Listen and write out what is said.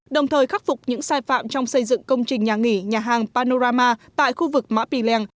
đồng thời khắc phục những sai phạm trong xây dựng công trình nhà nghỉ nhà hàng panorama tại khu vực mã pì lèng